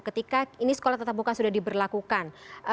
ketika ini sekolah tetap muka sudah diberlakukan